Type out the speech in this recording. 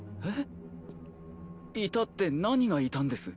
いたって何がいたんです？